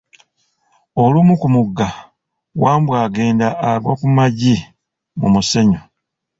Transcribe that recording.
Olumu ku mugga, Wambwa agenda agwa ku maggi mu mussenyu.